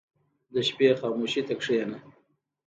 • د شپې خاموشي ته کښېنه.